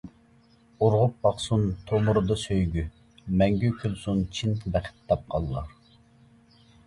ئۇرغۇپ ئاقسۇن تومۇردا سۆيگۈ، مەڭگۈ كۈلسۇن چىن بەخت تاپقانلار.